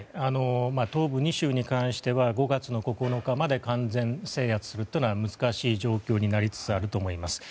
東部２州に関しては５月９日までに完全制圧するというのは難しい状況になりつつあると思います。